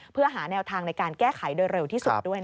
เพื่อหาแนวทางในการแก้ไขโดยเร็วที่สุดด้วย